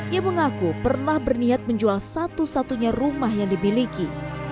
ia mengaku pernah berniat menjual satu satunya rumah yang dimiliki